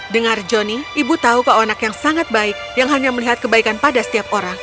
dengar johnny ibu tahu anak yang sangat baik yang hanya melihat kebaikan pada setiap orang